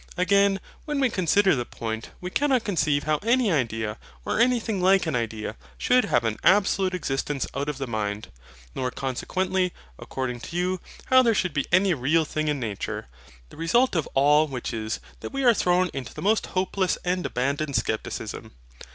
Again, when we consider the point, we cannot conceive how any idea, or anything like an idea, should have an absolute existence out of a mind: nor consequently, according to you, how there should be any real thing in nature. The result of all which is that we are thrown into the most hopeless and abandoned scepticism.